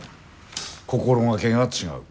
心がけが違う。